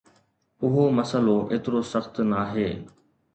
اهو مسئلو ايترو سخت ناهي